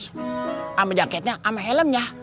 sama jaketnya sama helmnya